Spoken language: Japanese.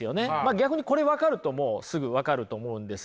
逆にこれ分かるともうすぐ分かると思うんですが。